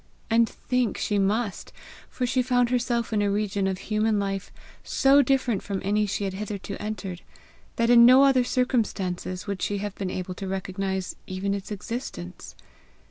And think she must; for she found herself in a region of human life so different from any she had hitherto entered, that in no other circumstances would she have been able to recognize even its existence.